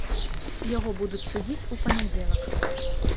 Яго будуць судзіць у панядзелак.